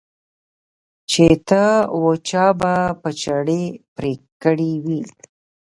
چې ته وا چا به په چړې پرې کړي وي.